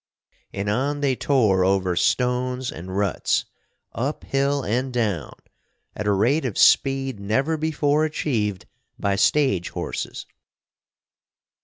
And on they tore over stones and ruts, up hill and down, at a rate of speed never before achieved by stage horses.